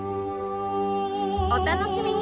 お楽しみに！